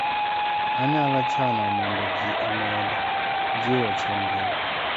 Anyalo chano mondo ji omed jiwo chenro